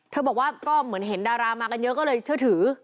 บอกว่าก็เหมือนเห็นดารามากันเยอะก็เลยเชื่อถือ